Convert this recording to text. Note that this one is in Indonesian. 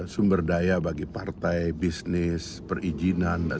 sumber daya bagi partai bisnis perizinan